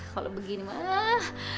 kalau begini mah